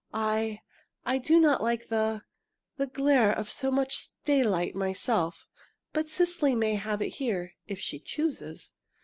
I I do not like the the glare of so much daylight myself, but Cecily may have it here, if she chooses."